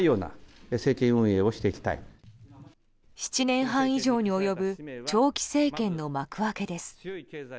７年半以上に及ぶ長期政権の幕開けです。